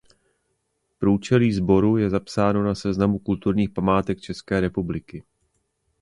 Průčelí sboru je zapsáno na seznam kulturních památek České republiky.